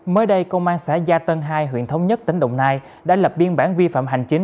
mới đây công an xã gia tân hai huyện thống nhất tỉnh đồng nai đã lập biên bản vi phạm hành chính